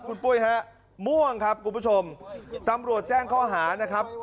คุณปุ้ยฮะม่วงครับคุณผู้ชมตำรวจแจ้งข้อหานะครับ